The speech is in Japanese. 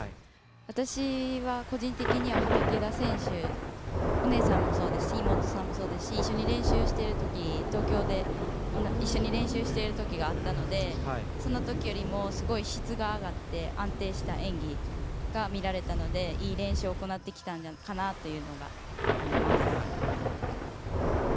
私は個人的に畠田選手お姉さんもそうですし妹さんもそうですし東京で一緒に練習している時があったのでその時よりもすごい質が上がって安定した演技が見られたので、いい練習を行ってきたのかなというのがあります。